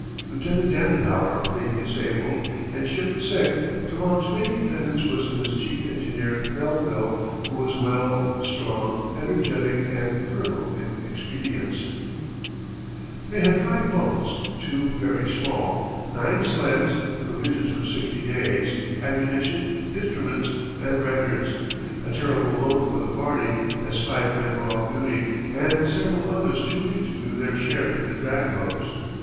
Lieutenant Danenhower being disabled, and Chipp sick, De Long's main dependence was in his chief engineer, Melville, who was well, strong, energetic, and fertile in expedients. [Illustration: In the Pack.] They had five boats (two very small), nine sleds, provisions for sixty days, ammunition, instruments and records; a terrible load for the party, as five men were off duty, and several others too weak to do their share in the drag ropes.